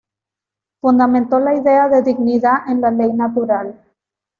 Fundamentó la idea de dignidad en la ley natural.